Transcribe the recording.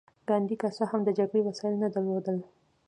ګاندي که څه هم د جګړې وسايل نه درلودل.